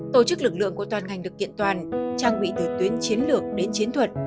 tổ chức lực lượng của toàn ngành được kiện toàn trang bị từ tuyến chiến lược đến chiến thuật